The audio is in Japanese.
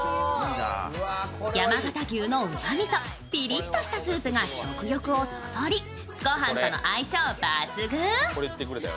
山形牛のうまみとピリッとしたスープが食欲をそそり、ご飯との相性抜群。